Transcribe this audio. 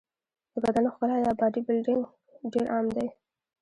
د بدن ښکلا یا باډي بلډینګ ډېر عام دی.